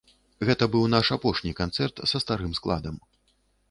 Гэта быў наш апошні канцэрт са старым складам.